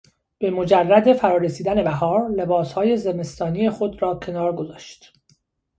به مجرد فرار رسیدن بهار لباسهای زمستانی خود را کنار گذاشت.